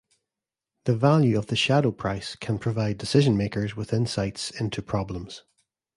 The value of the shadow price can provide decision-makers with insights into problems.